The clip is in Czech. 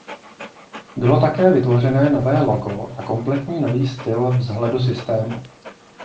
Bylo také vytvořené nové logo a kompletní nový styl vzhledu systému.